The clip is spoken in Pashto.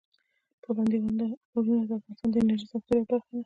پابندي غرونه د افغانستان د انرژۍ سکتور یوه برخه ده.